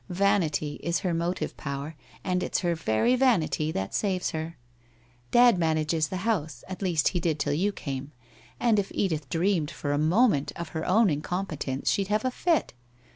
Vanity is her motive power, and it's her very vanity that saves her. Dad manages the house, at least, he did till \'ou came, and if Edith dreamed for a moment of her own incompetence she'd have a fit.